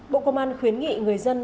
bộ công an khuyến nghị người dân